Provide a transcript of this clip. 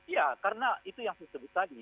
ya karena itu yang saya sebut tadi